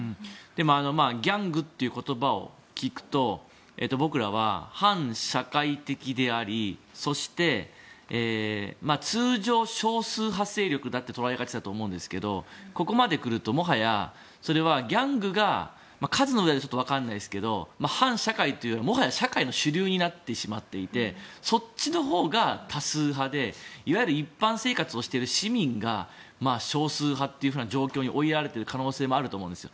でもギャングという言葉を聞くと僕らは反社会的でありそして通常、少数派勢力だと捉えがちだと思うんですがここまで来るともはや、それはギャングが数の上ではちょっとわからないですが反社会というのが、もはや社会の主流になってしまっていてそっちのほうが多数派でいわゆる一般生活をしてる市民が少数派というような状況に追いやられている可能性もあると思うんです。